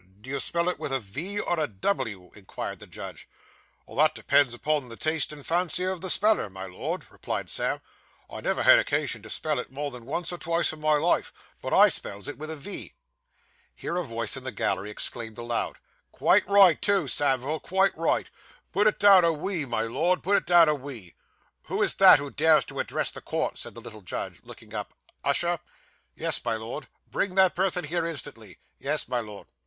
'Do you spell it with a "V" or a "W"?' inquired the judge. 'That depends upon the taste and fancy of the speller, my Lord,' replied Sam; 'I never had occasion to spell it more than once or twice in my life, but I spells it with a "V."' Here a voice in the gallery exclaimed aloud, 'Quite right too, Samivel, quite right. Put it down a "we," my Lord, put it down a "we."' Who is that, who dares address the court?' said the little judge, looking up. 'Usher.' 'Yes, my Lord.' 'Bring that person here instantly.' 'Yes, my Lord.